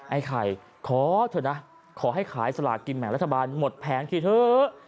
ไอ้ไข่ขอเถอะนะขอให้ขายสลากินแบ่งรัฐบาลหมดแผงทีเถอะ